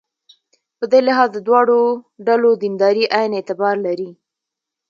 په دې لحاظ د دواړو ډلو دینداري عین اعتبار لري.